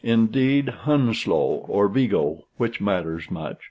Indeed, Hounslow or Vigo which matters much?